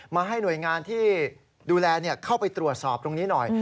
มาให้หน่วยงานที่ดูแลเข้าไปตรวจสอบตรงนี้หน่อย